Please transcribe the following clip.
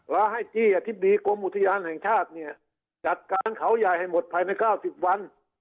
และให้ที่อธิบดีกรมอุทยานแห่งชาติเนี่ยจัดการเขาใหญ่ให้หมดภายใน๙๐วัน